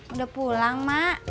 udah pulang mak